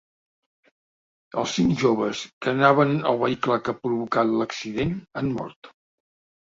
Els cinc joves que anaven al vehicle que ha provocat l’accident han mort.